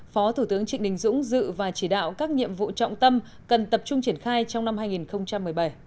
phó thủ tướng trịnh đình dũng dự và chỉ đạo các nhiệm vụ trọng tâm cần tập trung triển khai trong năm hai nghìn một mươi bảy